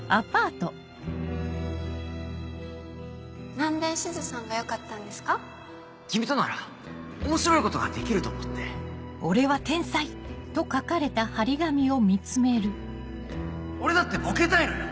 何でしずさんがよかった君となら面白いことができると思って俺だってボケたいのよ！